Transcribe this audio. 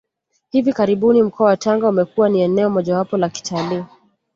Hivi karibuni mkoa wa Tanga umekuwa ni eneo mojawapo la kitalii